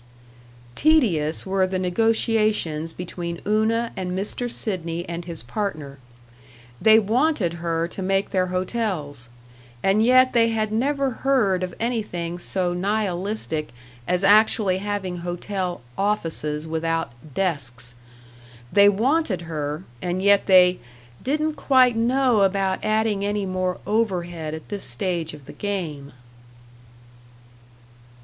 § 5 Tedious were the negotiations between Una and Mr. Sidney and his partner. They wanted her to make their hotels and yet they had never heard of anything so nihilistic as actually having hotel "offices" without "desks." They wanted her, and yet they "didn't quite know about adding any more overhead at this stage of the game."